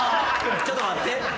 ちょっと待って。